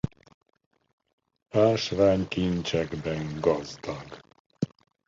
Ásványkincsekben gazdag.